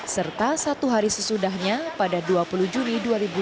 serta satu hari sesudahnya pada dua puluh juni dua ribu delapan belas